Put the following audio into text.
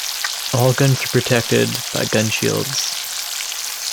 All guns were protected by gun shields.